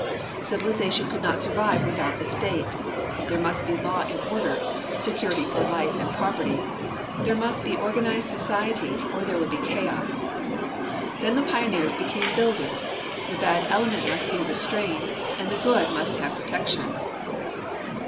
Civili zation could not survive Avithout the state. There must be hiAV and order, security for life and }>roperty. There must be organ ized society, or there Avould be chaos. Then the pioneers be came builders. The bad element must be restrained and the good must have protection.